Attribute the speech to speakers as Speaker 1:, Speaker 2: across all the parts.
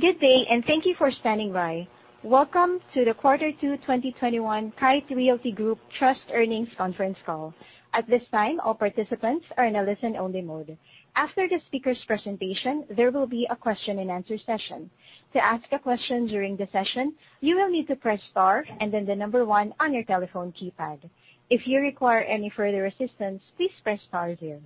Speaker 1: Good day and thank you for standing by. Welcome to the Quarter Two 2021 Kite Realty Group Trust Earnings Conference Call. At this time, all participants are in a listen-only mode. After the speaker's presentation, there will be a question-and-answer session. To ask a question during the session, you will need to press star and then the number one on your telephone keypad. If you require any further assistance, please press star zero.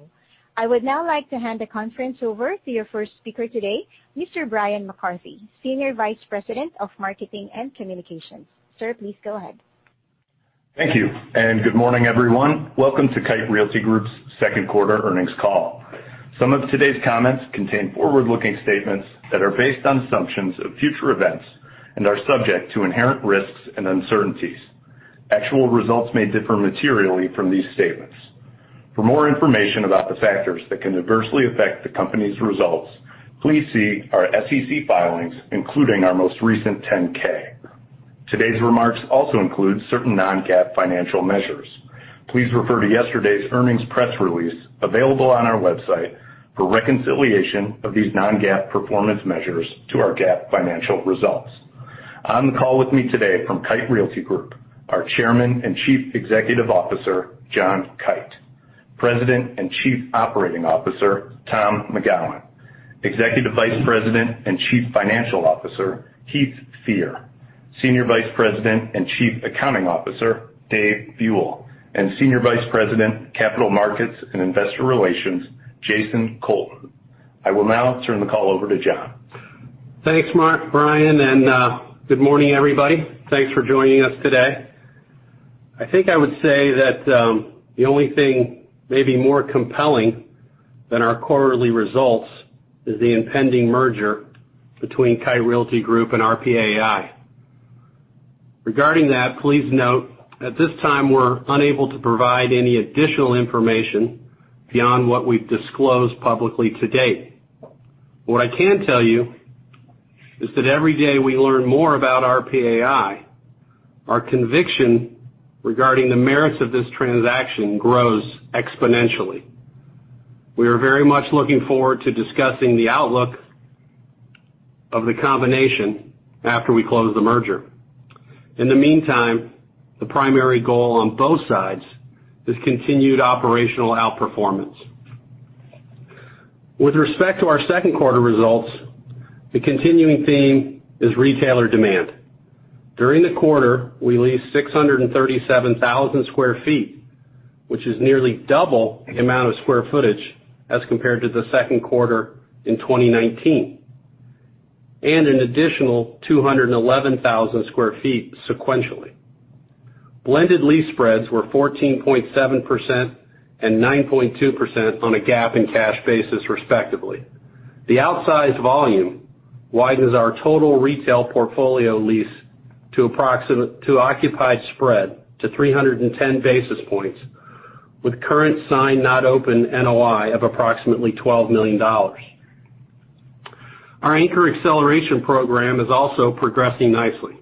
Speaker 1: I would now like to hand the conference over to your first speaker today, Mr. Bryan McCarthy, Senior Vice President of Marketing and Communications. Sir, please go ahead.
Speaker 2: Thank you, and good morning, everyone. Welcome to Kite Realty Group's second quarter earnings call. Some of today's comments contain forward-looking statements that are based on assumptions of future events and are subject to inherent risks and uncertainties. Actual results may differ materially from these statements. For more information about the factors that can adversely affect the company's results, please see our SEC filings, including our most recent 10-K. Today's remarks also include certain non-GAAP financial measures. Please refer to yesterday's earnings press release, available on our website, for reconciliation of these non-GAAP performance measures to our GAAP financial results. On the call with me today from Kite Realty Group, our Chairman and Chief Executive Officer, John Kite; President and Chief Operating Officer, Tom McGowan; Executive Vice President and Chief Financial Officer, Heath Fear; Senior Vice President and Chief Accounting Officer, Dave Buell; and Senior Vice President, Capital Markets and Investor Relations, Jason Colton. I will now turn the call over to John.
Speaker 3: Thanks, Bryan, and good morning, everybody. Thanks for joining us today. I think I would say that the only thing maybe more compelling than our quarterly results is the impending merger between Kite Realty Group and RPAI. Regarding that, please note, at this time, we're unable to provide any additional information beyond what we've disclosed publicly to date. What I can tell you is that every day we learn more about RPAI, our conviction regarding the merits of this transaction grows exponentially. We are very much looking forward to discussing the outlook of the combination after we close the merger. In the meantime, the primary goal on both sides is continued operational outperformance. With respect to our second quarter results, the continuing theme is retailer demand. During the quarter, we leased 637,000 sq ft, which is nearly double the amount of square footage as compared to the second quarter in 2019, and an additional 211,000 sq ft sequentially. Blended lease spreads were 14.7% and 9.2% on a GAAP and cash basis respectively. The outsized volume widens our total retail portfolio lease to occupied spread to 310 basis points with current signed Not Open NOI of approximately $12 million. Our anchor acceleration program is also progressing nicely.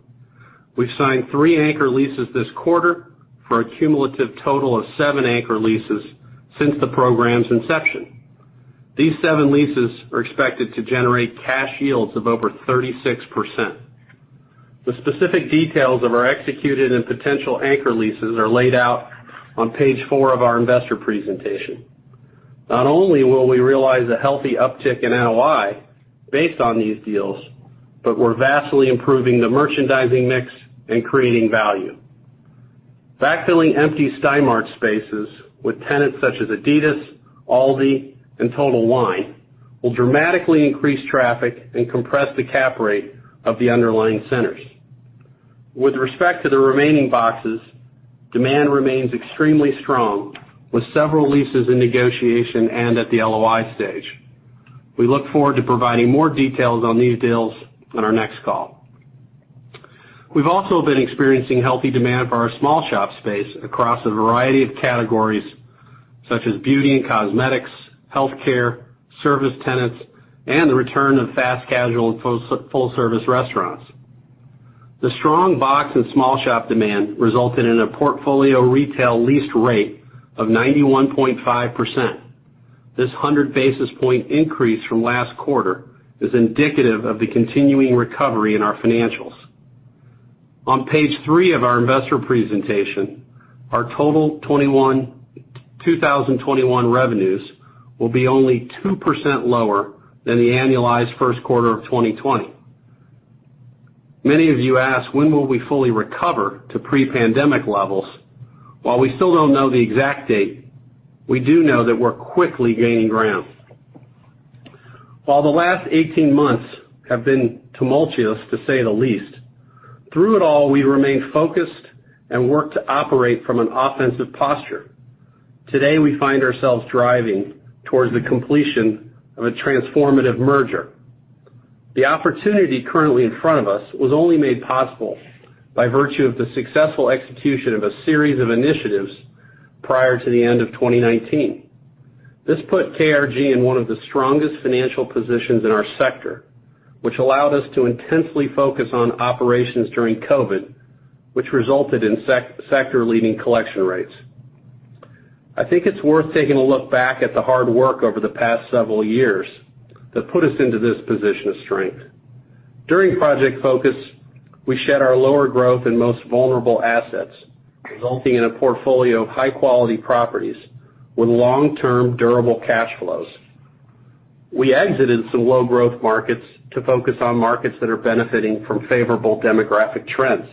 Speaker 3: We've signed three anchor leases this quarter for a cumulative total of seven anchor leases since the program's inception. These seven leases are expected to generate cash yields of over 36%. The specific details of our executed and potential anchor leases are laid out on page four of our investor presentation. Not only will we realize a healthy uptick in NOI based on these deals, but we're vastly improving the merchandising mix and creating value. Backfilling empty Stein Mart spaces with tenants such as adidas, Aldi, and Total Wine will dramatically increase traffic and compress the cap rate of the underlying centers. With respect to the remaining boxes, demand remains extremely strong, with several leases in negotiation and at the LOI stage. We look forward to providing more details on these deals on our next call. We've also been experiencing healthy demand for our small shop space across a variety of categories such as beauty and cosmetics, healthcare, service tenants, and the return of fast casual and full-service restaurants. The strong box and small shop demand resulted in a portfolio retail leased rate of 91.5%. This 100-basis point increase from last quarter is indicative of the continuing recovery in our financials. On page three of our investor presentation, our total 2021 revenues will be only 2% lower than the annualized first quarter of 2020. Many of you ask, when will we fully recover to pre-pandemic levels? While we still don't know the exact date, we do know that we're quickly gaining ground. While the last 18 months have been tumultuous, to say the least, through it all, we remained focused and worked to operate from an offensive posture. Today, we find ourselves driving towards the completion of a transformative merger. The opportunity currently in front of us was only made possible by virtue of the successful execution of a series of initiatives prior to the end of 2019. This put KRG in one of the strongest financial positions in our sector, which allowed us to intensely focus on operations during COVID, which resulted in sector-leading collection rates. I think it's worth taking a look back at the hard work over the past several years that put us into this position of strength. During Project Focus, we shed our lower growth and most vulnerable assets, resulting in a portfolio of high-quality properties with long-term durable cash flows. We exited some low-growth markets to focus on markets that are benefiting from favorable demographic trends.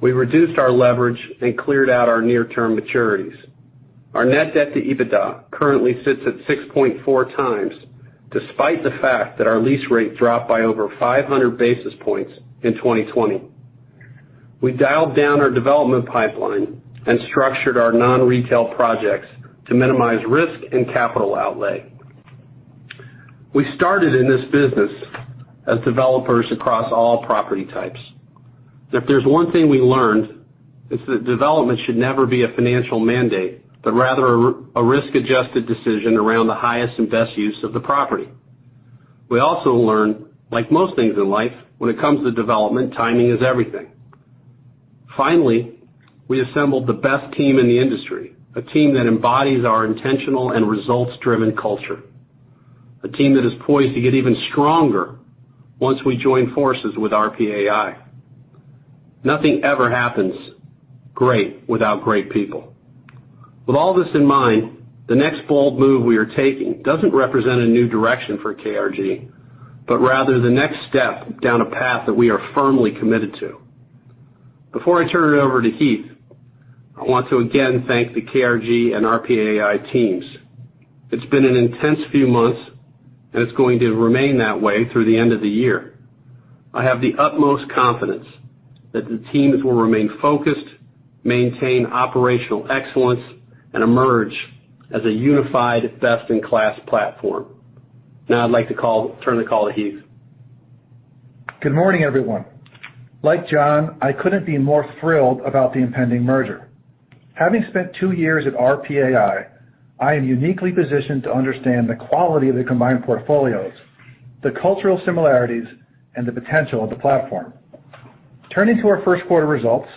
Speaker 3: We reduced our leverage and cleared out our near-term maturities. Our net debt to EBITDA currently sits at 6.4x, despite the fact that our lease rate dropped by over 500 basis points in 2020. We dialed down our development pipeline and structured our non-retail projects to minimize risk and capital outlay. We started in this business as developers across all property types. If there's one thing we learned, it's that development should never be a financial mandate, but rather a risk-adjusted decision around the highest and best use of the property. We also learned, like most things in life, when it comes to development, timing is everything. Finally, we assembled the best team in the industry, a team that embodies our intentional and results-driven culture, a team that is poised to get even stronger once we join forces with RPAI. Nothing ever happens great without great people. With all this in mind, the next bold move we are taking doesn't represent a new direction for KRG, but rather the next step down a path that we are firmly committed to. Before I turn it over to Heath, I want to again thank the KRG and RPAI teams. It's been an intense few months, and it's going to remain that way through the end of the year. I have the utmost confidence that the teams will remain focused, maintain operational excellence, and emerge as a unified best-in-class platform. Now I'd like to turn the call to Heath.
Speaker 4: Good morning, everyone. Like John, I couldn't be more thrilled about the impending merger. Having spent two years at RPAI, I am uniquely positioned to understand the quality of the combined portfolios, the cultural similarities, and the potential of the platform. Turning to our first quarter results,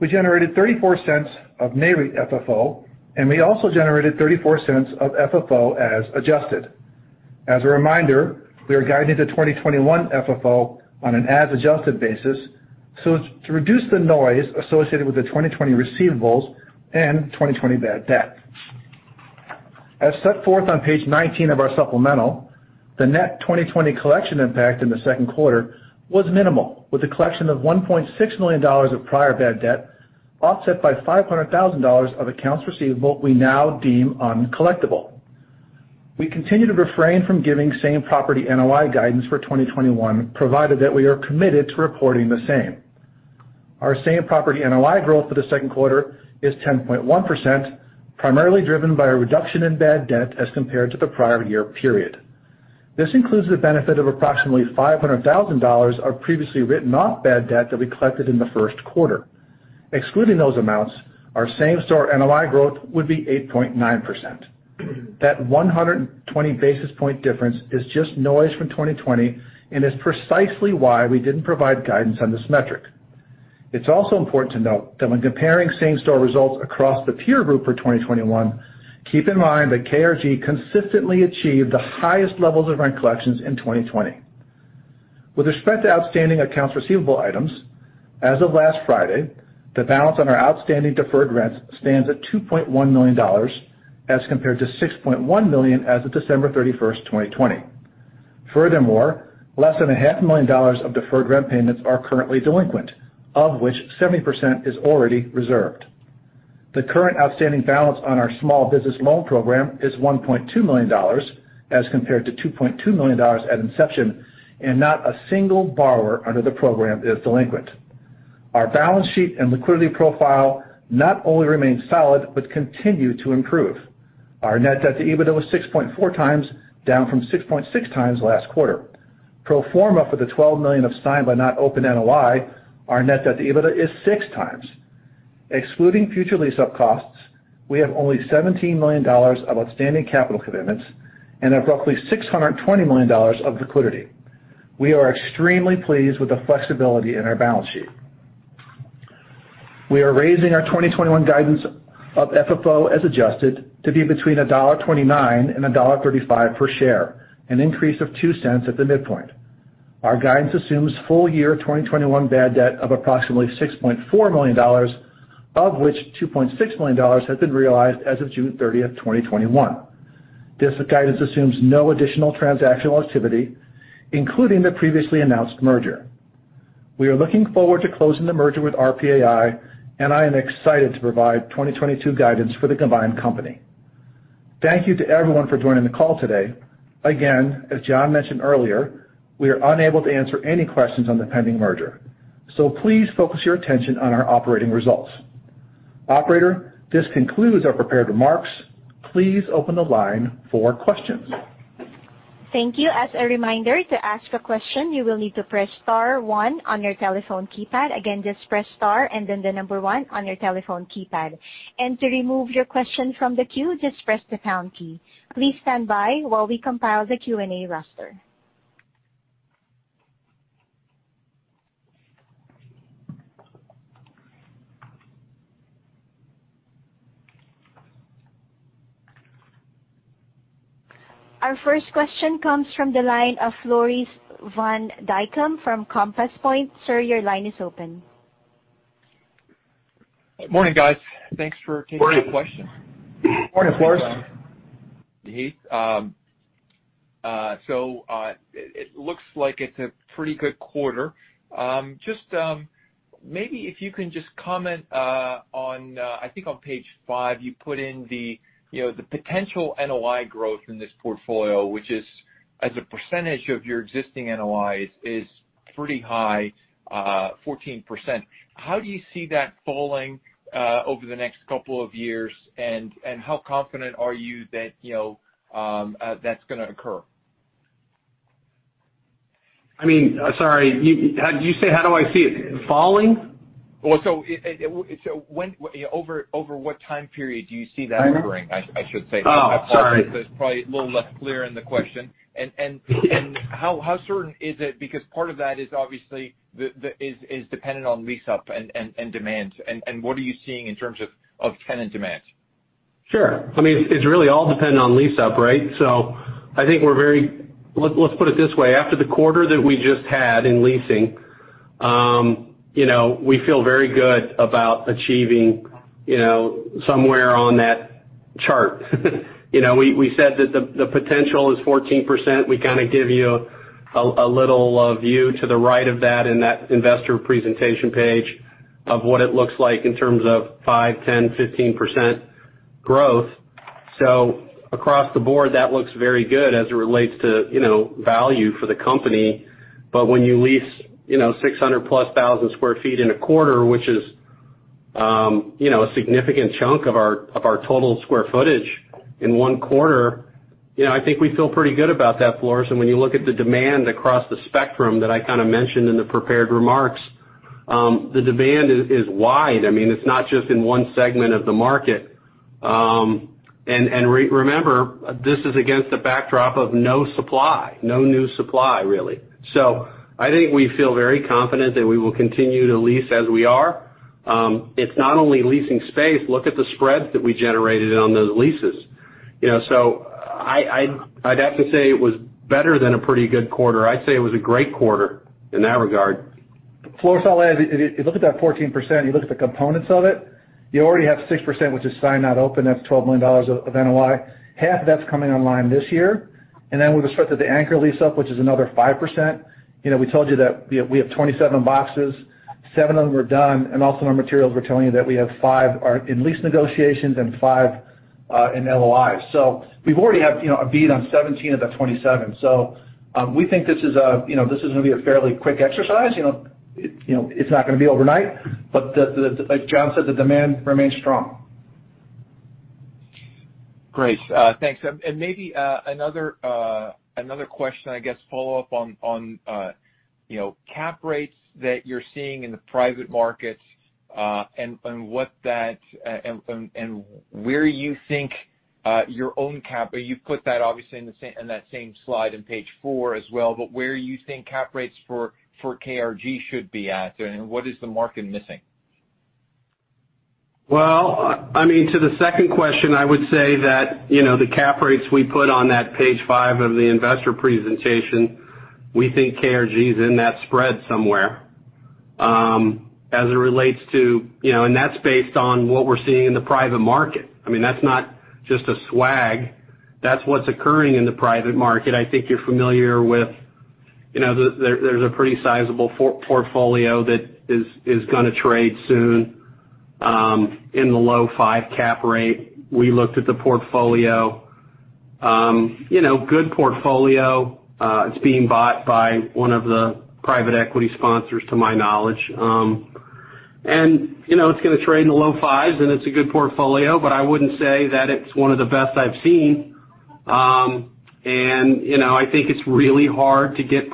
Speaker 4: we generated $0.34 of NAREIT FFO, and we also generated $0.34 of FFO as adjusted. As a reminder, we are guiding the 2021 FFO on an as-adjusted basis, so as to reduce the noise associated with the 2020 receivables and 2020 bad debt. As set forth on page 19 of our supplemental, the net 2020 collection impact in the second quarter was minimal, with a collection of $1.6 million of prior bad debt offset by $500,000 of accounts receivable we now deem uncollectible. We continue to refrain from giving same-property NOI guidance for 2021, provided that we are committed to reporting the same. Our same-property NOI growth for the second quarter is 10.1%, primarily driven by a reduction in bad debt as compared to the prior year period. This includes the benefit of approximately $500,000 of previously written-off bad debt that we collected in the first quarter. Excluding those amounts, our same-store NOI growth would be 8.9%. That 120 basis point difference is just noise from 2020 and is precisely why we didn't provide guidance on this metric. It's also important to note that when comparing same-store results across the peer group for 2021, keep in mind that KRG consistently achieved the highest levels of rent collections in 2020. With respect to outstanding accounts receivable items, as of last Friday, the balance on our outstanding deferred rents stands at $2.1 million, as compared to $6.1 million as of December 31st, 2020. Furthermore, less than a $0.5 million of deferred rent payments are currently delinquent, of which 70% is already reserved. The current outstanding balance on our small business loan program is $1.2 million, as compared to $2.2 million at inception, and not a single borrower under the program is delinquent. Our balance sheet and liquidity profile not only remain solid but continue to improve. Our net debt to EBITDA was 6.4x, down from 6.6x last quarter. Pro forma for the $12 million of signed but not opened NOI, our net debt to EBITDA is 6x. Excluding future lease-up costs, we have only $17 million of outstanding capital commitments and have roughly $620 million of liquidity. We are extremely pleased with the flexibility in our balance sheet. We are raising our 2021 guidance of FFO as adjusted to be between $1.29 and $1.35 per share, an increase of $0.02 at the midpoint. Our guidance assumes full year 2021 bad debt of approximately $6.4 million, of which $2.6 million has been realized as of June 30, 2021. This guidance assumes no additional transactional activity, including the previously announced merger. We are looking forward to closing the merger with RPAI, and I am excited to provide 2022 guidance for the combined company. Thank you to everyone for joining the call today. Again, as John mentioned earlier, we are unable to answer any questions on the pending merger, so please focus your attention on our operating results. Operator, this concludes our prepared remarks. Please open the line for questions.
Speaker 1: Thank you. As a reminder, to ask a question, you will need to press star one on your telephone keypad. Again, just press star and then the number one on your telephone keypad. To remove your question from the queue, just press the pound key. Please stand by while we compile the Q&A roster. Our first question comes from the line of Floris van Dijkum from Compass Point. Sir, your line is open.
Speaker 5: Morning, guys. Thanks for taking the question.
Speaker 3: Morning.
Speaker 4: Morning, Floris.
Speaker 5: It looks like it's a pretty good quarter. Maybe if you can just comment on, I think on page five, you put in the potential NOI growth in this portfolio, which is as a percentage of your existing NOI is pretty high, 14%. How do you see that falling over the next couple of years? How confident are you that's going to occur?
Speaker 3: Sorry. You say how do I see it falling?
Speaker 5: Well, over what time period do you see that occurring? I should say.
Speaker 3: Oh, sorry.
Speaker 5: I apologize. It's probably a little less clear in the question. How certain is it, because part of that is obviously dependent on lease-up and demand, and what are you seeing in terms of tenant demand?
Speaker 3: Sure. It's really all dependent on lease-up, right? Let's put it this way. After the quarter that we just had in leasing, we feel very good about achieving somewhere on that chart. We said that the potential is 14%. We kind of give you a little view to the right of that in that investor presentation page of what it looks like in terms of 5%, 10%, 15% growth. Across the board, that looks very good as it relates to value for the company. When you lease 600,000+ sq ft in a quarter, which is a significant chunk of our total square footage in one quarter, I think we feel pretty good about that, Floris. When you look at the demand across the spectrum that I kind of mentioned in the prepared remarks, the demand is wide. It's not just in one segment of the market. Remember, this is against the backdrop of no supply, no new supply, really. I think we feel very confident that we will continue to lease as we are. It's not only leasing space, look at the spreads that we generated on those leases. I'd have to say it was better than a pretty good quarter. I'd say it was a great quarter in that regard.
Speaker 4: Floris, I'll add. If you look at that 14%, you look at the components of it, you already have 6%, which is signed, not opened. That's $12 million of NOI. Half of that's coming online this year. We just started the anchor lease-up, which is another 5%. We told you that we have 27 boxes, seven of them are done, and also in our materials we're telling you that we have five are in lease negotiations and five in LOIs. We already have a beat on 17 of the 27. We think this is going to be a fairly quick exercise. It's not going to be overnight, but like John said, the demand remains strong.
Speaker 5: Great. Thanks. Maybe another question, I guess, follow-up on cap rates that you're seeing in the private markets, and where you think your own cap rate, you've put that obviously in that same slide in page four as well, but where you think cap rates for KRG should be at, and what is the market missing?
Speaker 3: Well, to the second question, I would say that the cap rates we put on that page five of the investor presentation, we think KRG is in that spread somewhere. That's based on what we're seeing in the private market. That's not just a swag. That's what's occurring in the private market. I think you're familiar with there's a pretty sizable portfolio that is going to trade soon, in the low five cap rate. We looked at the portfolio. Good portfolio. It's being bought by one of the private equity sponsors, to my knowledge. It's going to trade in the low fives, and it's a good portfolio, but I wouldn't say that it's one of the best I've seen. I think it's really hard to get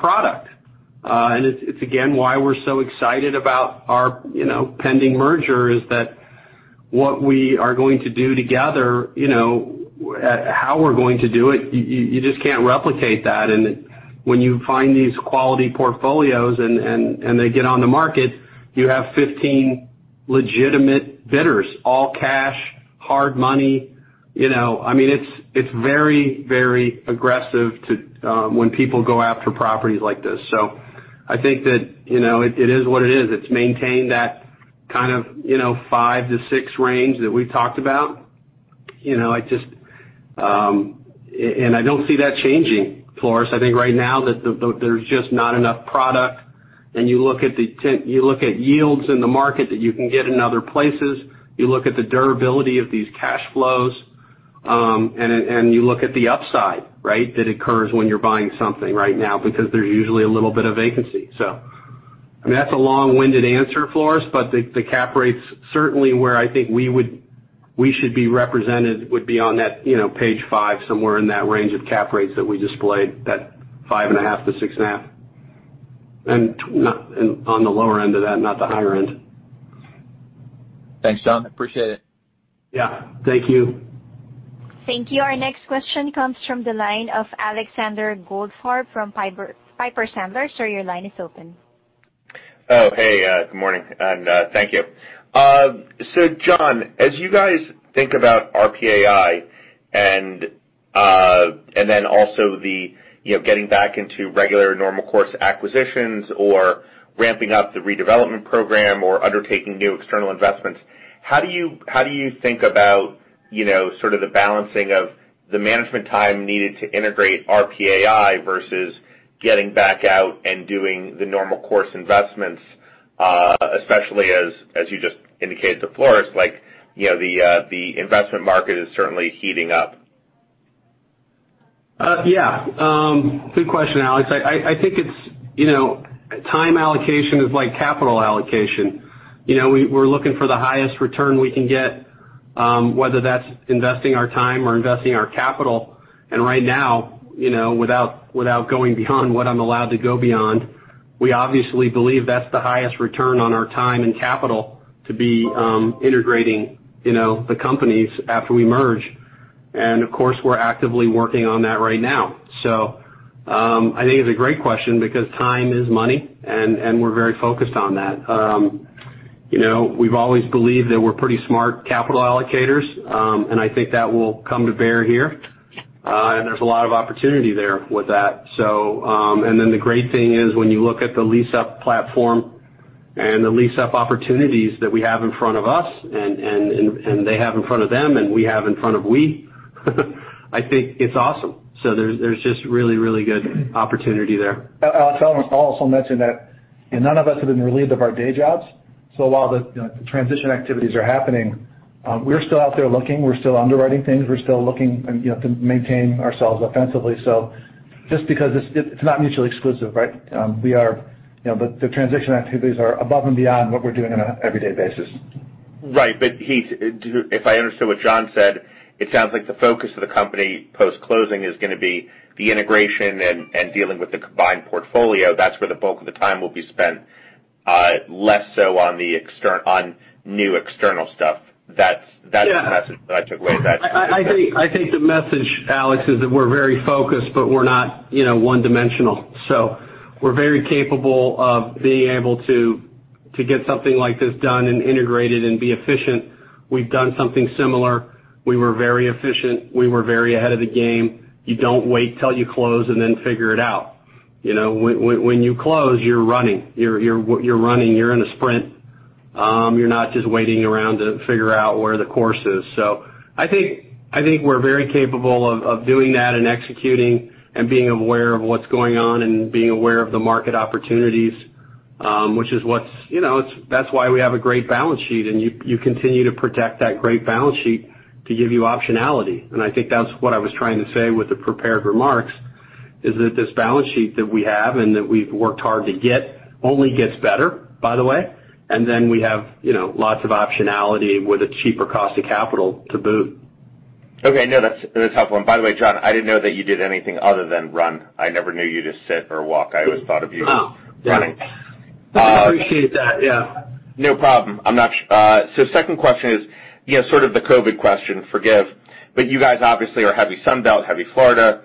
Speaker 3: product. It's, again, why we're so excited about our pending merger, is that what we are going to do together, how we're going to do it, you just can't replicate that. When you find these quality portfolios, and they get on the market, you have 15 legitimate bidders, all cash, hard money. It's very aggressive when people go after properties like this. I think that it is what it is. It's maintained that kind of five-six range that we talked about. I don't see that changing, Floris van Dijkum. I think right now that there's just not enough product, and you look at yields in the market that you can get in other places, you look at the durability of these cash flows, and you look at the upside that occurs when you're buying something right now, because there's usually a little bit of vacancy. That's a long-winded answer, Floris, but the cap rates, certainly where I think we should be represented would be on that page five, somewhere in that range of cap rates that we displayed, that 5.5%-6.5%. On the lower end of that, not the higher end.
Speaker 5: Thanks, John. Appreciate it.
Speaker 3: Yeah. Thank you.
Speaker 1: Thank you. Our next question comes from the line of Alexander Goldfarb from Piper Sandler. Sir, your line is open.
Speaker 6: Oh, hey, good morning, and thank you. John, as you guys think about RPAI and then also the getting back into regular normal course acquisitions or ramping up the redevelopment program or undertaking new external investments, how do you think about sort of the balancing of the management time needed to integrate RPAI versus getting back out and doing the normal course investments, especially as you just indicated to Floris, the investment market is certainly heating up?
Speaker 3: Yeah. Good question, Alex. I think it's time allocation is like capital allocation. We're looking for the highest return we can get, whether that's investing our time or investing our capital. Right now, without going beyond what I'm allowed to go beyond, we obviously believe that's the highest return on our time and capital to be integrating the companies after we merge. Of course, we're actively working on that right now. I think it's a great question because time is money, and we're very focused on that. We've always believed that we're pretty smart capital allocators, and I think that will come to bear here. There's a lot of opportunity there with that. The great thing is when you look at the lease-up platform and the lease-up opportunities that we have in front of us and they have in front of them, and we have in front of we, I think it's awesome. There's just really good opportunity there.
Speaker 4: Alex, I'll also mention that none of us have been relieved of our day jobs. While the transition activities are happening, we're still out there looking. We're still underwriting things. We're still looking to maintain ourselves offensively. It's not mutually exclusive, right? The transition activities are above and beyond what we're doing on an everyday basis.
Speaker 6: Right. Heath, if I understood what John said, it sounds like the focus of the company post-closing is going to be the integration and dealing with the combined portfolio. That's where the bulk of the time will be spent, less so on new external stuff.
Speaker 4: Yeah.
Speaker 6: That's the message that I took away.
Speaker 4: I think the message, Alex, is that we're very focused, but we're not one-dimensional. We're very capable of being able to get something like this done and integrated and be efficient. We've done something similar. We were very efficient. We were very ahead of the game. You don't wait till you close and then figure it out. When you close, you're running. You're in a sprint. You're not just waiting around to figure out where the course is. I think we're very capable of doing that and executing and being aware of what's going on and being aware of the market opportunities, which is that's why we have a great balance sheet, and you continue to protect that great balance sheet to give you optionality. I think that's what I was trying to say with the prepared remarks, is that this balance sheet that we have and that we've worked hard to get only gets better, by the way. We have lots of optionality with a cheaper cost of capital to boot.
Speaker 6: Okay. No, that's a tough one. By the way, John, I didn't know that you did anything other than run. I never knew you to sit or walk. I always thought of you.
Speaker 3: Oh, yeah.
Speaker 6: Running.
Speaker 3: Appreciate that, yeah.
Speaker 6: No problem. Second question is sort of the COVID question, forgive. You guys obviously are heavy Sun Belt, heavy Florida.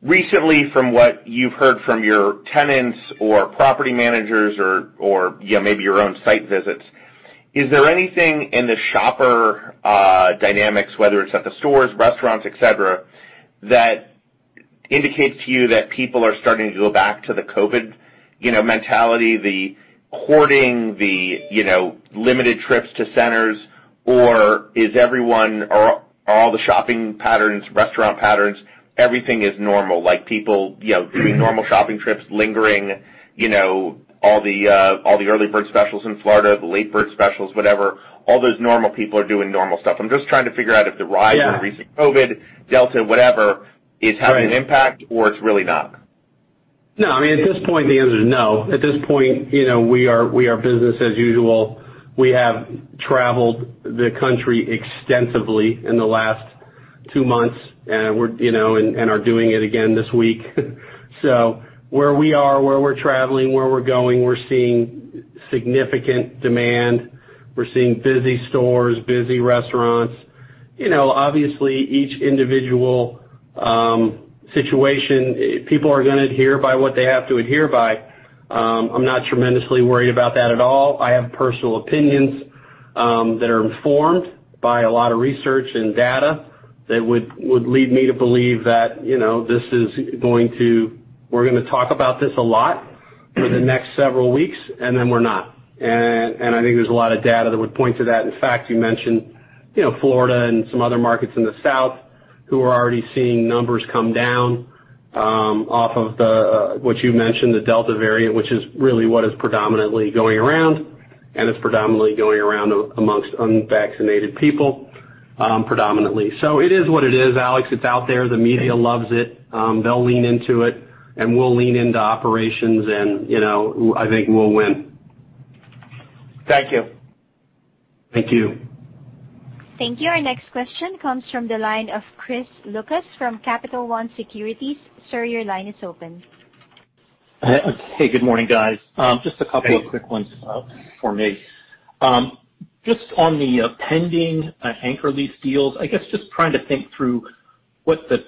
Speaker 6: Recently, from what you've heard from your tenants or property managers or maybe your own site visits, is there anything in the shopper dynamics, whether it's at the stores, restaurants, et cetera, that indicates to you that people are starting to go back to the COVID mentality, the hoarding, the limited trips to centers, or is everyone, are all the shopping patterns, restaurant patterns, everything is normal, like people doing normal shopping trips, lingering, all the early bird specials in Florida, the late bird specials, whatever, all those normal people are doing normal stuff? I'm just trying to figure out if the rise.
Speaker 3: Yeah.
Speaker 6: Of recent COVID, Delta, whatever, is having
Speaker 3: Right.
Speaker 6: An impact or it's really not.
Speaker 3: No. I mean, at this point, the answer is no. At this point, we are business as usual. We have traveled the country extensively in the last two months and are doing it again this week. Where we are, where we're traveling, where we're going, we're seeing significant demand. We're seeing busy stores, busy restaurants. Obviously, each individual situation, people are going to adhere by what they have to adhere by. I'm not tremendously worried about that at all. I have personal opinions that are informed by a lot of research and data that would lead me to believe that you know, this is going to we're going to talk about this a lot for the next several weeks, and then we're not. I think there's a lot of data that would point to that. In fact, you mentioned Florida and some other markets in the South who are already seeing numbers come down off of what you mentioned, the Delta variant, which is really what is predominantly going around, and it's predominantly going around amongst unvaccinated people predominantly. It is what it is, Alex. It's out there. The media loves it. They'll lean into it, and we'll lean into operations, and I think we'll win.
Speaker 6: Thank you.
Speaker 3: Thank you.
Speaker 1: Thank you. Our next question comes from the line of Chris Lucas from Capital One Securities. Sir, your line is open.
Speaker 7: Hey, good morning, guys.
Speaker 3: Hey.
Speaker 7: A couple of quick ones for me. On the pending anchor lease deals, I guess just trying to think through what the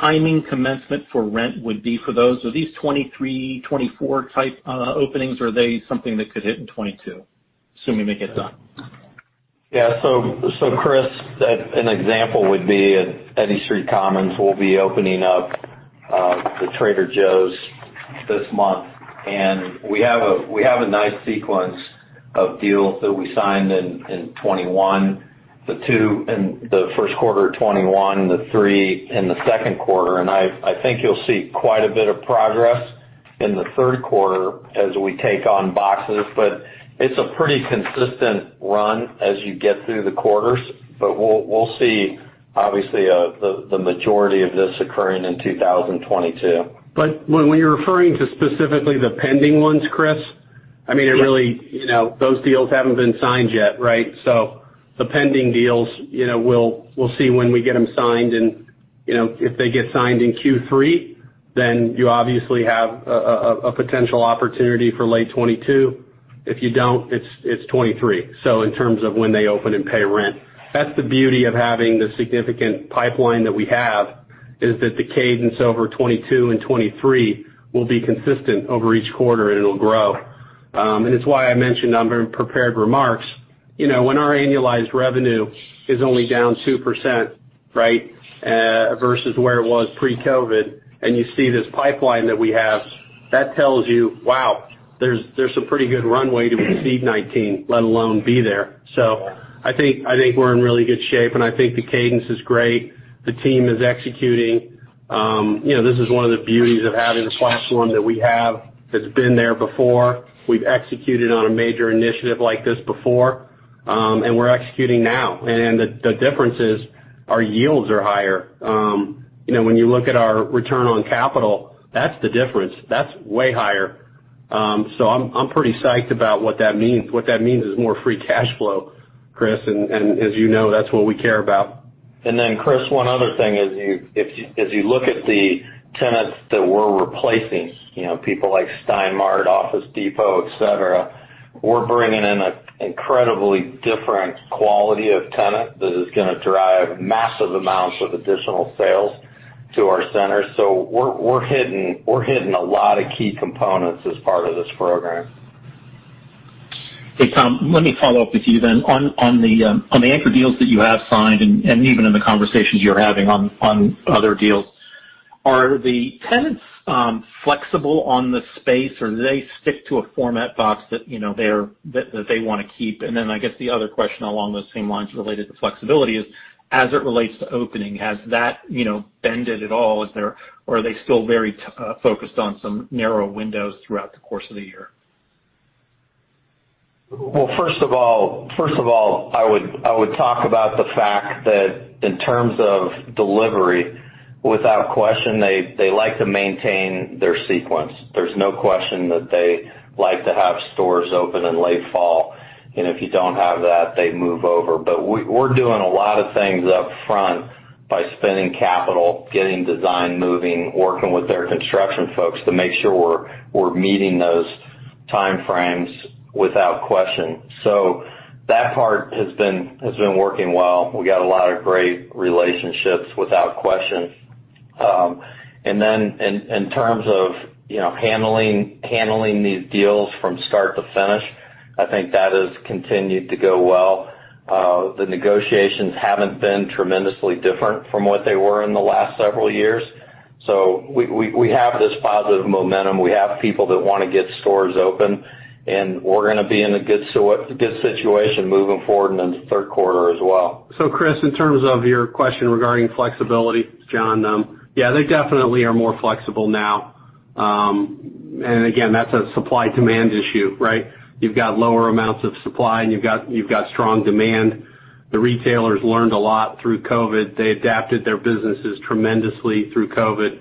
Speaker 7: timing commencement for rent would be for those. Are these 2023, 2024 type openings, or are they something that could hit in 2022, assuming they get done?
Speaker 8: Yeah. Chris, an example would be Eddy Street Commons will be opening up, the Trader Joe's this month. We have a nice sequence of deals that we signed in 2021, the two in the first quarter of 2021, the three in the second quarter. I think you'll see quite a bit of progress in the third quarter as we take on boxes. It's a pretty consistent run as you get through the quarters. We'll see, obviously, the majority of this occurring in 2022.
Speaker 3: When you're referring to specifically the pending ones, Chris, I mean.
Speaker 7: Yeah.
Speaker 3: Those deals haven't been signed yet, right? The pending deals, we'll see when we get them signed and, if they get signed in Q3, then you obviously have a potential opportunity for late 2022. If you don't, it's 2023 in terms of when they open and pay rent. That's the beauty of having the significant pipeline that we have, is that the cadence over 2022 and 2023 will be consistent over each quarter, and it'll grow. It's why I mentioned on my prepared remarks, when our annualized revenue is only down 2%, right, versus where it was pre-COVID, and you see this pipeline that we have, that tells you, wow, there's a pretty good runway to exceed 2019, let alone be there. I think we're in really good shape, and I think the cadence is great. The team is executing. This is one of the beauties of having the platform that we have that's been there before. We've executed on a major initiative like this before. We're executing now. The difference is our yields are higher. When you look at our return on capital, that's the difference. That's way higher. I'm pretty psyched about what that means. What that means is more free cash flow, Chris, and as you know, that's what we care about.
Speaker 8: Chris, one other thing is as you look at the tenants that we're replacing, people like Stein Mart, Office Depot, et cetera, we're bringing in an incredibly different quality of tenant that is gonna drive massive amounts of additional sales to our centers. We're hitting a lot of key components as part of this program.
Speaker 7: Hey, Tom, let me follow up with you then. On the anchor deals that you have signed and even in the conversations you're having on other deals, are the tenants flexible on the space, or do they stick to a format box that they want to keep? I guess the other question along those same lines related to flexibility is, as it relates to opening, has that bended at all? Or are they still very focused on some narrow windows throughout the course of the year?
Speaker 8: Well, first of all, I would talk about the fact that in terms of delivery, without question, they like to maintain their sequence. There's no question that they like to have stores open in late fall, and if you don't have that, they move over. We're doing a lot of things up front by spending capital, getting design moving, working with their construction folks to make sure we're meeting those timeframes without question. That part has been working well. We got a lot of great relationships, without question. In terms of handling these deals from start to finish, I think that has continued to go well. The negotiations haven't been tremendously different from what they were in the last several years. We have this positive momentum. We have people that wanna get stores open, and we're gonna be in a good situation moving forward into the third quarter as well.
Speaker 4: Chris, in terms of your question regarding flexibility, John, yeah, they definitely are more flexible now. Again, that's a supply-demand issue, right? You've got lower amounts of supply, and you've got strong demand. The retailers learned a lot through COVID. They adapted their businesses tremendously through COVID.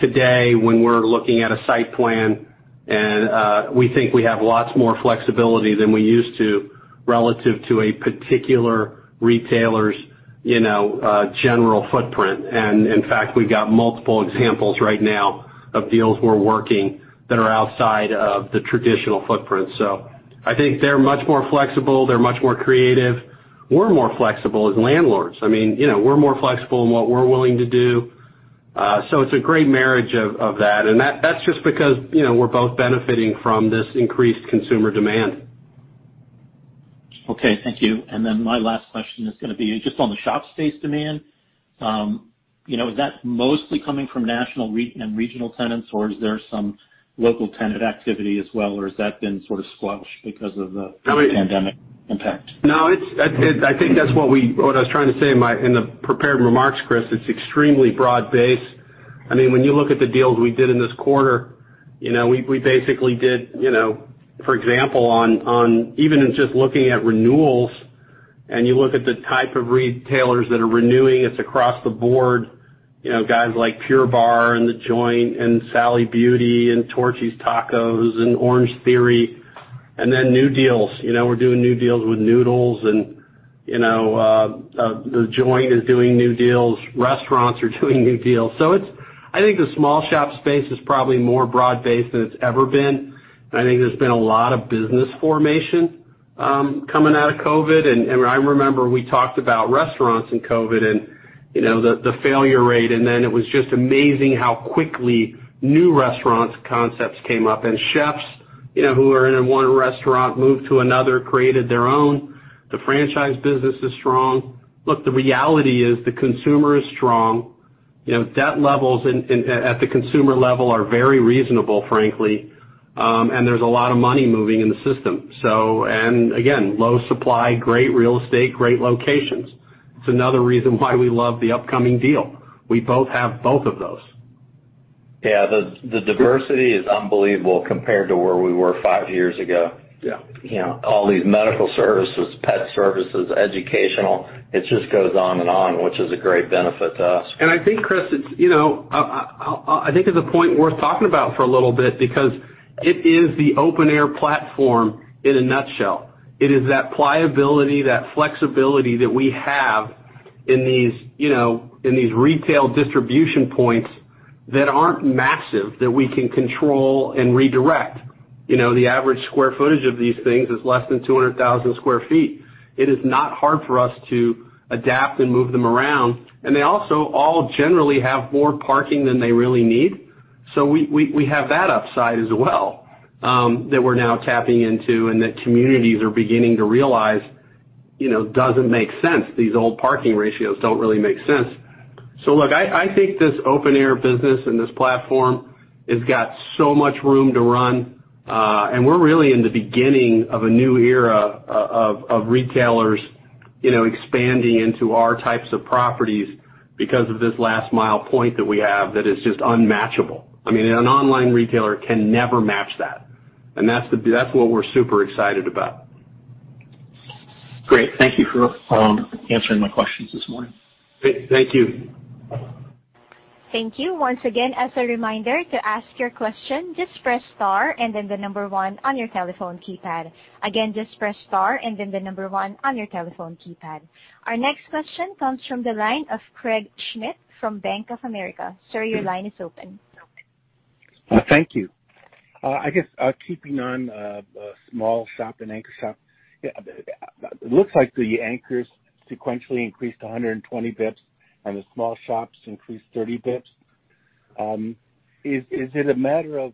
Speaker 4: Today, when we're looking at a site plan and we think we have lots more flexibility than we used to relative to a particular retailer's general footprint. In fact, we've got multiple examples right now of deals we're working that are outside of the traditional footprint. I think they're much more flexible. They're much more creative. We're more flexible as landlords. I mean, we're more flexible in what we're willing to do. It's a great marriage of that, and that's just because we're both benefiting from this increased consumer demand.
Speaker 7: Okay, thank you. My last question is gonna be just on the shop space demand. Is that mostly coming from national and regional tenants, or is there some local tenant activity as well, or has that been sort of squelched because of the pandemic impact?
Speaker 3: No, I think that's what I was trying to say in the prepared remarks, Chris. It's extremely broad-based. When you look at the deals we did in this quarter, we basically did, for example, even in just looking at renewals, and you look at the type of retailers that are renewing, it's across the board. Guys like Pure Barre, and The Joint, and Sally Beauty, and Torchy's Tacos, and Orangetheory, and then new deals. We're doing new deals with Noodles, and The Joint is doing new deals. Restaurants are doing new deals. I think the small shop space is probably more broad-based than it's ever been. I think there's been a lot of business formation coming out of COVID, and I remember we talked about restaurants in COVID and the failure rate, and then it was just amazing how quickly new restaurant concepts came up. Chefs who are in one restaurant moved to another, created their own. The franchise business is strong. Look, the reality is the consumer is strong. Debt levels at the consumer level are very reasonable, frankly, and there's a lot of money moving in the system. Again, low supply, great real estate, great locations. It's another reason why we love the upcoming deal. We both have both of those.
Speaker 8: The diversity is unbelievable compared to where we were five years ago.
Speaker 3: Yeah.
Speaker 8: All these medical services, pet services, educational, it just goes on and on, which is a great benefit to us.
Speaker 3: I think, Chris, it's a point worth talking about for a little bit because it is the open-air platform in a nutshell. It is that pliability, that flexibility that we have in these retail distribution points that aren't massive, that we can control and redirect. The average square footage of these things is less than 200,000 sq ft. It is not hard for us to adapt and move them around. They also all generally have more parking than they really need. We have that upside as well, that we're now tapping into and that communities are beginning to realize doesn't make sense. These old parking ratios don't really make sense. Look, I think this open-air business and this platform has got so much room to run. We're really in the beginning of a new era of retailers expanding into our types of properties because of this last-mile point that we have that is just unmatchable. An online retailer can never match that, and that's what we're super excited about.
Speaker 7: Great. Thank you for answering my questions this morning.
Speaker 3: Thank you.
Speaker 1: Thank you once again. As a reminder, to ask your question, just press star and then the number one on your telephone keypad. Again, just press star and then the number one on your telephone keypad. Our next question comes from the line of Craig Schmidt from Bank of America. Sir, your line is open.
Speaker 9: Thank you. I guess, keeping on small shop and anchor shop, it looks like the anchors sequentially increased 120 basis points and the small shops increased 30 basis points. Is it a matter of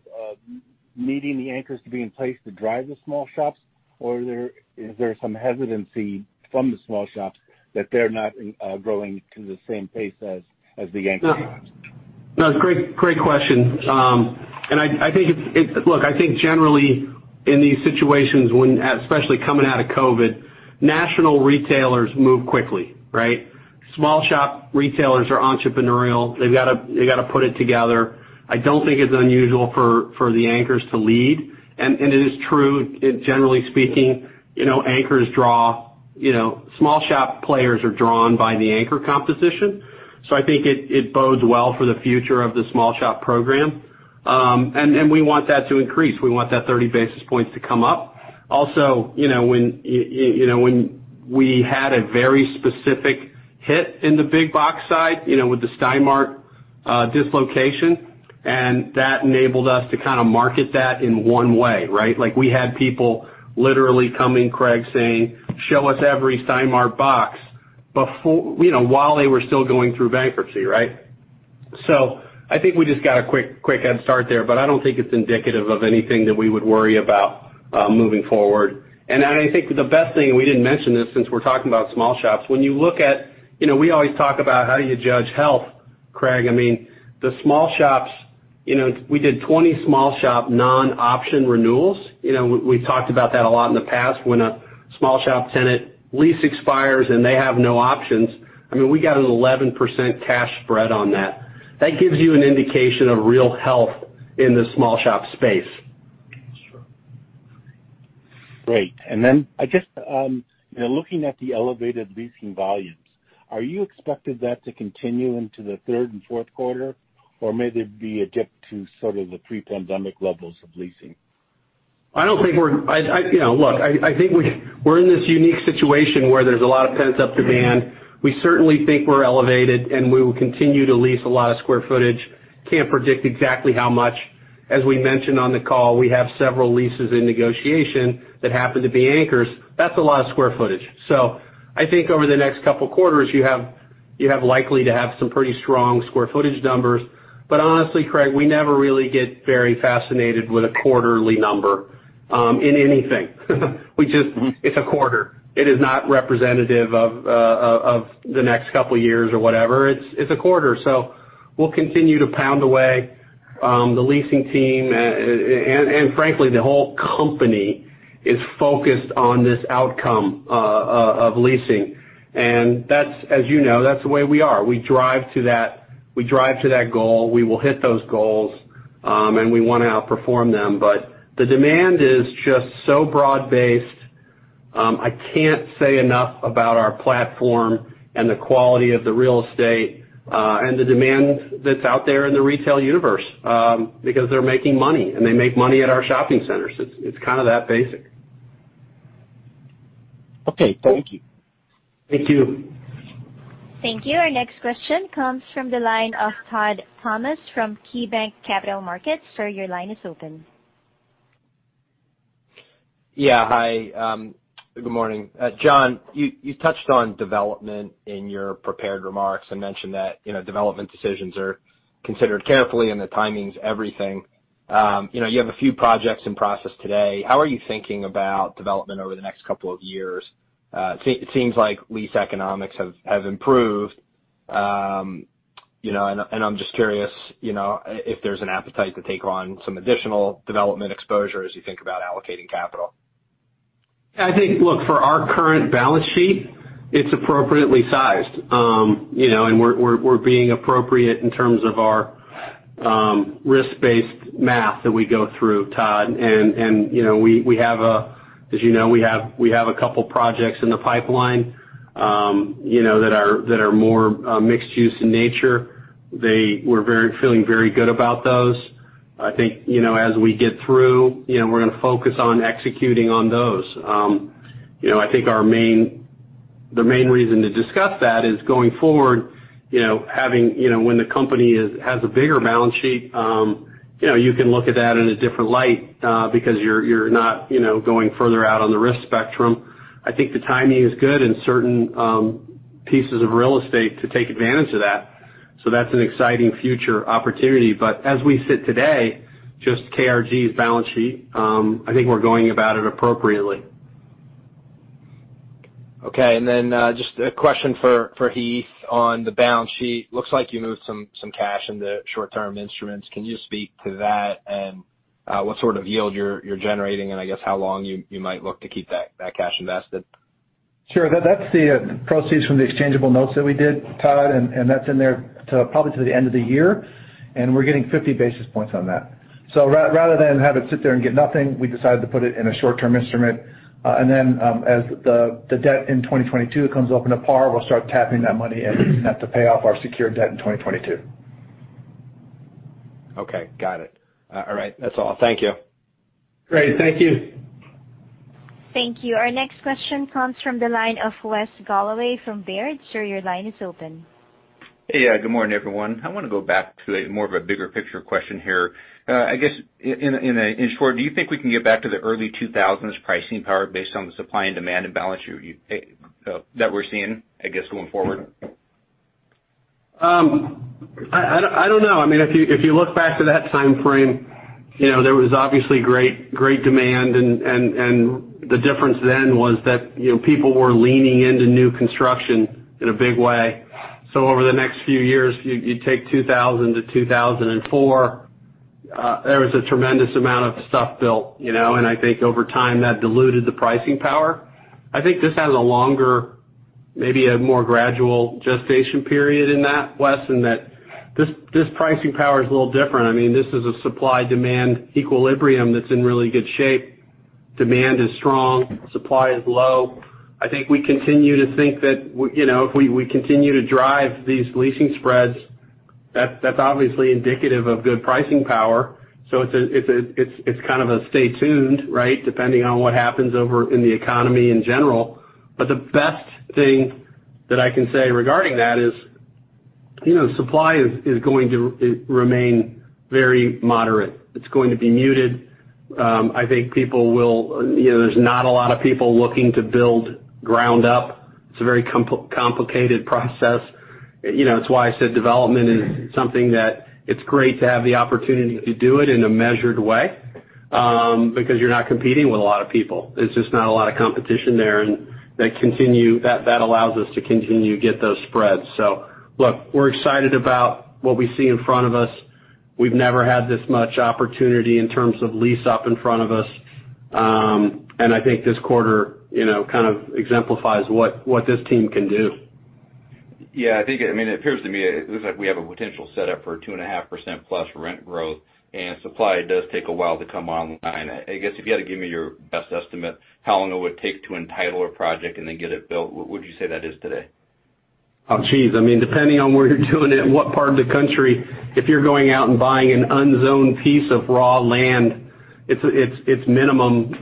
Speaker 9: needing the anchors to be in place to drive the small shops, or is there some hesitancy from the small shops that they're not growing to the same pace as the anchors?
Speaker 3: Great question. Look, I think generally in these situations, when especially coming out of COVID, national retailers move quickly, right? Small shop retailers are entrepreneurial. They've got to put it together. I don't think it's unusual for the anchors to lead. It is true, generally speaking, anchors draw small shop players are drawn by the anchor composition. I think it bodes well for the future of the small shop program. We want that to increase. We want that 30 basis points to come up. Also, when we had a very specific hit in the big box side, with the Stein Mart dislocation, that enabled us to kind of market that in one way, right? We had people literally coming, Craig, saying, "Show us every Stein Mart box," while they were still going through bankruptcy, right? I think we just got a quick head start there, but I don't think it's indicative of anything that we would worry about moving forward. I think the best thing; we didn't mention this since we're talking about small shops. When you look at, we always talk about how you judge health, Craig. The small shops, we did 20 small shop non-option renewals. We've talked about that a lot in the past when a small shop tenant lease expires and they have no options. We got an 11% cash spread on that. That gives you an indication of real health in the small shop space.
Speaker 9: Sure. Great. Then I guess, looking at the elevated leasing volumes, are you expecting that to continue into the third and fourth quarter, or may they dip to sort of the pre-pandemic levels of leasing?
Speaker 3: I don't think look, I think we're in this unique situation where there's a lot of pent-up demand. We certainly think we're elevated, and we will continue to lease a lot of square footage. Can't predict exactly how much. As we mentioned on the call, we have several leases in negotiation that happen to be anchors. That's a lot of square footage. I think over the next couple of quarters, you have likely to have some pretty strong square footage numbers. Honestly, Craig, we never really get very fascinated with a quarterly number in anything. It's a quarter. It is not representative of the next couple of years or whatever. It's a quarter, so we'll continue to pound away. The leasing team, and frankly, the whole company, is focused on this outcome of leasing. That's, as you know, that's the way we are. We drive to that goal. We will hit those goals, and we want to outperform them. The demand is just so broad-based, I can't say enough about our platform and the quality of the real estate, and the demand that's out there in the retail universe, because they're making money, and they make money at our shopping centers. It's kind of that basic.
Speaker 9: Okay, thank you.
Speaker 3: Thank you.
Speaker 1: Thank you. Our next question comes from the line of Todd Thomas from KeyBanc Capital Markets. Sir, your line is open.
Speaker 10: Yeah. Hi. Good morning. John, you touched on development in your prepared remarks and mentioned that development decisions are considered carefully and the timing's everything. You have a few projects in process today. How are you thinking about development over the next couple of years? It seems like lease economics have improved. I'm just curious if there's an appetite to take on some additional development exposure as you think about allocating capital.
Speaker 3: I think, look, for our current balance sheet, it's appropriately sized. We're being appropriate in terms of our risk-based math that we go through, Todd. As you know, we have a couple projects in the pipeline that are more mixed-use in nature. We're feeling very good about those. I think as we get through, we're going to focus on executing on those. I think the main reason to discuss that is going forward, when the company has a bigger balance sheet, you can look at that in a different light, because you're not going further out on the risk spectrum. I think the timing is good in certain pieces of real estate to take advantage of that. That's an exciting future opportunity. As we sit today, just KRG's balance sheet, I think we're going about it appropriately.
Speaker 10: Okay, just a question for Heath on the balance sheet. Looks like you moved some cash into short-term instruments. Can you speak to that and what sort of yield you're generating and, I guess, how long you might look to keep that cash invested?
Speaker 4: Sure. That's the proceeds from the exchangeable notes that we did, Todd, and that's in there probably till the end of the year. We're getting 50 basis points on that. Rather than have it sit there and get nothing, we decided to put it in a short-term instrument. Then as the debt in 2022 comes open to par, we'll start tapping that money and have to pay off our secured debt in 2022.
Speaker 10: Okay, got it. All right, that's all. Thank you.
Speaker 3: Great. Thank you.
Speaker 1: Thank you. Our next question comes from the line of Wes Golladay from Baird. Sir, your line is open.
Speaker 11: Hey. Good morning, everyone. I want to go back to more of a bigger picture question here. I guess, in short, do you think we can get back to the early 2000s pricing power based on the supply and demand and balance sheet that we're seeing, I guess, going forward?
Speaker 3: I don't know. If you look back to that timeframe, there was obviously great demand, and the difference then was that people were leaning into new construction in a big way. Over the next few years, you take 2000 to 2004, there was a tremendous amount of stuff built. And I think over time, that diluted the pricing power. I think this has a longer, maybe a more gradual gestation period in that, Wes, in that this pricing power is a little different. This is a supply-demand equilibrium that's in really good shape. Demand is strong, supply is low. I think we continue to think that if we continue to drive these leasing spreads, that's obviously indicative of good pricing power. It's kind of a stay tuned, right, depending on what happens over in the economy in general. The best thing that I can say regarding that is supply is going to remain very moderate. It's going to be muted. There's not a lot of people looking to build ground up. It's a very complicated process. It's why I said development is something that it's great to have the opportunity to do it in a measured way, because you're not competing with a lot of people. There's just not a lot of competition there, and that allows us to continue to get those spreads. Look, we're excited about what we see in front of us. We've never had this much opportunity in terms of lease up in front of us. I think this quarter kind of exemplifies what this team can do.
Speaker 11: Yeah. It appears to me it looks like we have a potential setup for 2.5%+ rent growth. Supply does take a while to come online. I guess if you had to give me your best estimate, how long it would take to entitle a project and then get it built, what would you say that is today?
Speaker 3: Oh, geez. Depending on where you're doing it, what part of the country, if you're going out and buying an unzoned piece of raw land, it's minimum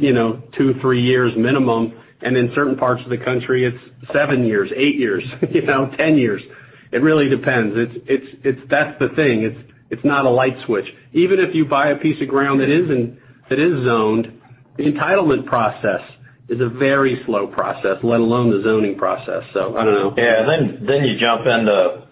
Speaker 3: two, three years minimum. In certain parts of the country, it's seven years, eight years, 10 years. It really depends. That's the thing. It's not a light switch. Even if you buy a piece of ground that is zoned, the entitlement process is a very slow process, let alone the zoning process. I don't know.
Speaker 8: Yeah. Then you jump into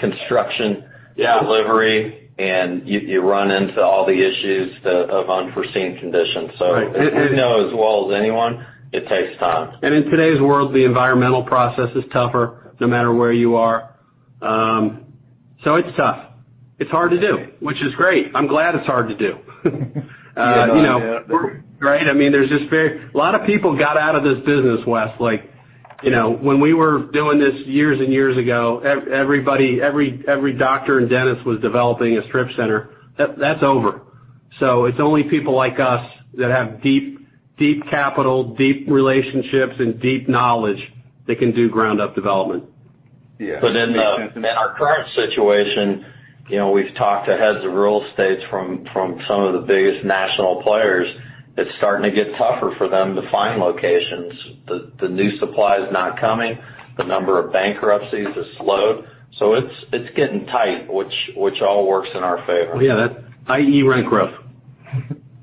Speaker 8: construction-
Speaker 3: Yeah.
Speaker 8: Delivery, and you run into all the issues of unforeseen conditions.
Speaker 3: Right.
Speaker 8: We know as well as anyone, it takes time.
Speaker 3: In today's world, the environmental process is tougher, no matter where you are. It's tough. It's hard to do, which is great. I'm glad it's hard to do.
Speaker 8: Yeah.
Speaker 3: Great. A lot of people got out of this business, Wes. When we were doing this years and years ago, every doctor and dentist was developing a strip center. That's over. It's only people like us that have deep capital, deep relationships, and deep knowledge that can do ground-up development.
Speaker 11: Yeah.
Speaker 8: In our current situation, we've talked to heads of real estates from some of the biggest national players. It's starting to get tougher for them to find locations. The new supply is not coming. The number of bankruptcies has slowed. It's getting tight, which all works in our favor.
Speaker 3: Well, yeah, i.e., rent growth.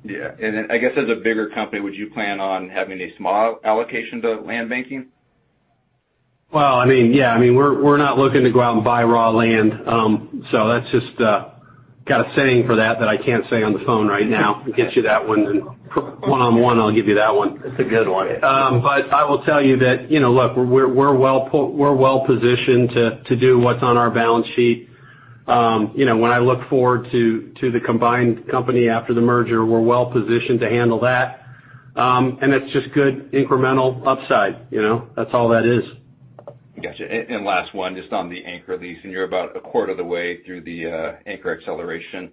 Speaker 11: Yeah. Then I guess as a bigger company, would you plan on having a small allocation to land banking?
Speaker 3: Well, yeah. We're not looking to go out and buy raw land. That's just got a saying for that I can't say on the phone right now. Get you that one. One-on-one, I'll give you that one.
Speaker 11: It's a good one.
Speaker 3: I will tell you that, look, we're well-positioned to do what's on our balance sheet. When I look forward to the combined company after the merger, we're well-positioned to handle that. It's just good incremental upside. That's all that is.
Speaker 11: Got you. Last one, just on the anchor leasing. You're about a quarter of the way through the Anchor Acceleration,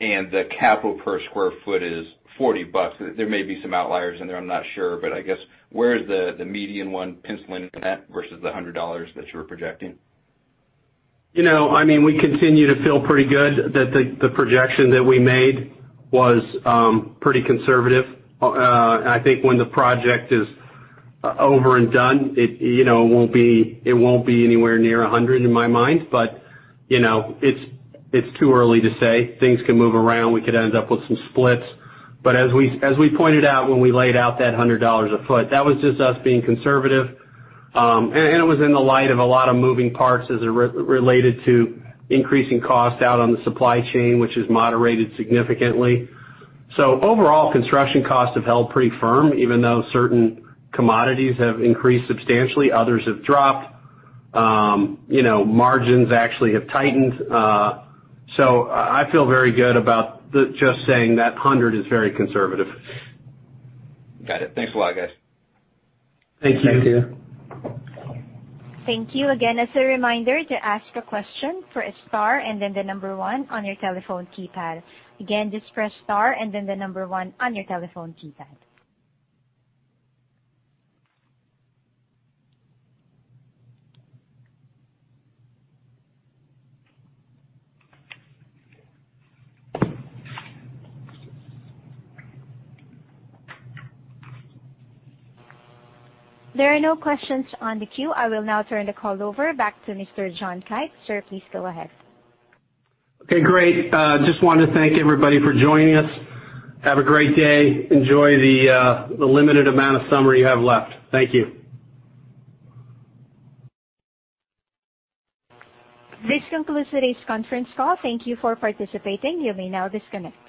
Speaker 11: and the capital per square foot is $40. There may be some outliers in there, I'm not sure, but I guess, where is the median one penciling in at versus the $100 that you were projecting?
Speaker 3: We continue to feel pretty good that the projection that we made was pretty conservative. I think when the project is over and done, it won't be anywhere near $100 in my mind. It's too early to say. Things can move around. We could end up with some splits. As we pointed out when we laid out that $100 a foot, that was just us being conservative. It was in the light of a lot of moving parts as it related to increasing costs out on the supply chain, which has moderated significantly. Overall, construction costs have held pretty firm, even though certain commodities have increased substantially, others have dropped. Margins actually have tightened. I feel very good about just saying that $100 is very conservative.
Speaker 11: Got it. Thanks a lot, guys.
Speaker 3: Thank you.
Speaker 8: Thank you.
Speaker 1: Thank you. Again, as a reminder, to ask a question, press star and then the number one on your telephone keypad. Again, just press star and then the number one on your telephone keypad. There are no questions on the queue. I will now turn the call over back to Mr. John Kite. Sir, please go ahead.
Speaker 3: Okay, great. Just want to thank everybody for joining us. Have a great day. Enjoy the limited amount of summer you have left. Thank you.
Speaker 1: This concludes today's conference call. Thank you for participating. You may now disconnect.